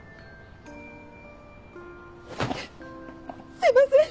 すいません！